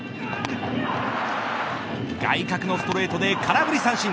外角のストレートで空振り三振。